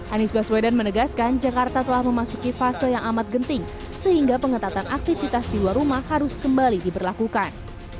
anies baswedan menegaskan jakarta telah memasuki fase yang amat genting sehingga pengetatan aktivitas di luar rumah harus kembali diberlakukan